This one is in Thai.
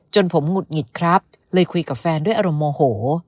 จนผมหงุดหงิดครับเลยคุยกับแฟนด้วยอารมณ์โมโห